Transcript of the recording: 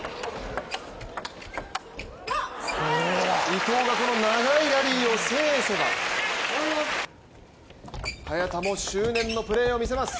伊藤がこの長いラリーを制せば、早田も執念のプレーを見せます。